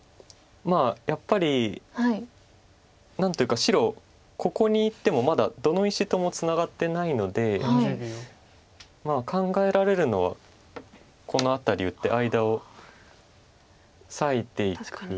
やっぱり何というか白ここにいってもまだどの石ともツナがってないのでまあ考えられるのはこの辺り打って間を裂いていく。